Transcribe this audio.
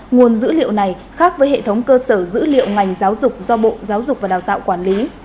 nguồn dữ liệu này khác với hệ thống cơ sở dữ liệu ngành giáo dục do bộ giáo dục và đào tạo quản lý